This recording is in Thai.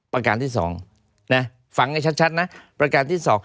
ประการที่๒ฟังให้ชัดนะประการที่๒